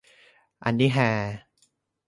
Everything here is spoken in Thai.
อันนี้ฮา